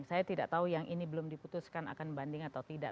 saya tidak tahu yang ini belum diputuskan akan banding atau tidak